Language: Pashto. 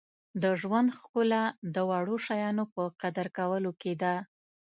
• د ژوند ښکلا د وړو شیانو په قدر کولو کې ده.